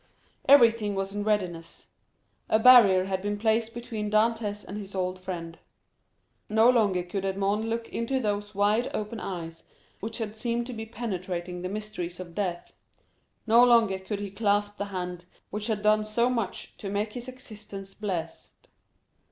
Everything was in readiness. A barrier had been placed between Dantès and his old friend. No longer could Edmond look into those wide open eyes which had seemed to be penetrating the mysteries of death; no longer could he clasp the hand which had done so much to make his existence blessed.